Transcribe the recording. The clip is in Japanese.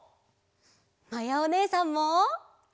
まやおねえさんも！